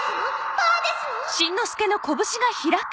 パーですの？